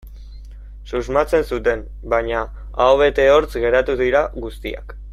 Susmatzen zuten, baina aho bete hortz geratu dira guztiak.